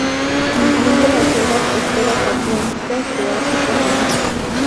Incluye las selvas costeras atlánticas de África Central.